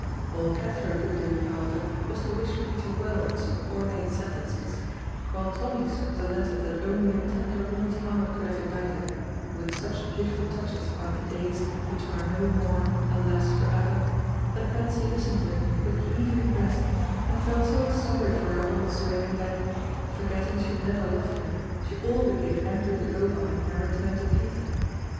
All Cathro could do, however, was to wish Peter well in some ornate sentences, while Tommy's was a letter that only a tender woman's heart could have indited, with such beautiful touches about the days which are no more alas forever, that Betsy listened to it with heaving breast and felt so sorry for her old swain that, forgetting she had never loved him, she all but gave Andrew the go by and returned to Peter.